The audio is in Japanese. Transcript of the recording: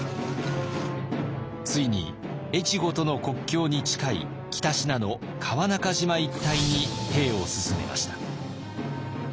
ついに越後との国境に近い北信濃川中島一帯に兵を進めました。